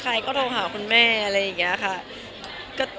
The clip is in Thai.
ใครก็โทรหาคุณแม่อะไรอย่างนี้ค่ะ